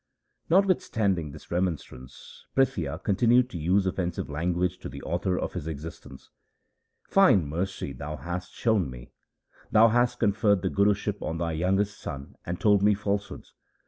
1 Notwithstanding this remonstrance Prithia con tinued to use offensive language to the author of his existence. ' Fine mercy thou hast shown me ! Thou hast conferred the Guruship on thy youngest son and told me falsehoods.